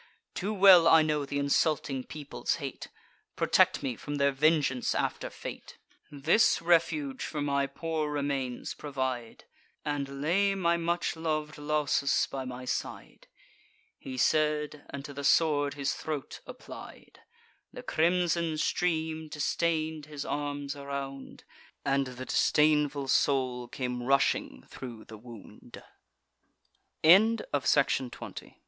Too well I know th' insulting people's hate; Protect me from their vengeance after fate: This refuge for my poor remains provide, And lay my much lov'd Lausus by my side." He said, and to the sword his throat applied. The crimson stream distain'd his arms around, And the disdainful soul came rushing thro' the wound. BOOK XI THE ARGUMEN